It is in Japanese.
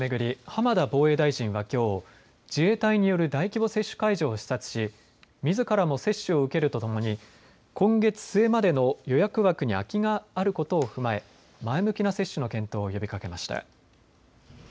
浜田防衛大臣はきょう、自衛隊による大規模接種会場を視察し、みずからも接種を受けるとともに今月末までの予約枠に空きがあることを踏まえ前向きな接種の検討を呼びかけました。